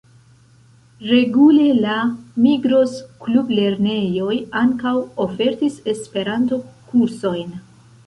Regule la Migros-Klublernejoj ankaŭ ofertis Esperanto-kursojn.